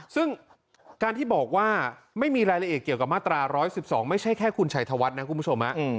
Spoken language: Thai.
ซึ่งการที่บอกว่าไม่มีรายละเอียดเกี่ยวกับมาตรา๑๑๒ไม่ใช่แค่คุณชัยธวัฒน์นะคุณผู้ชม